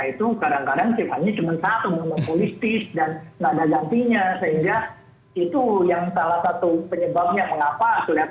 kalau mereka kurang mengelola data dengan baik lalu ada perusahaan yang lain yang mengelola data dengan lebih baik dan dianggap lebih amat